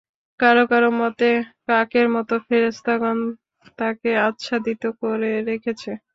কারো কারো মতে, কাকের মত ফেরেশতাগণ তাকে আচ্ছাদিত করে রেখেছে।